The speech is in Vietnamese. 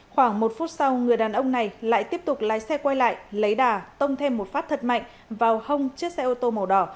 khoảng một phút sau người đàn ông này lại tiếp tục lái xe quay lại lấy đà tông thêm một phát thật mạnh vào hông chiếc xe ô tô màu đỏ